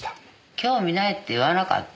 興味ないって言わなかった？